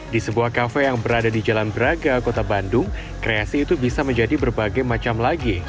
di sebuah kafe yang berada di jalan braga kota bandung kreasi itu bisa menjadi berbagai macam lagi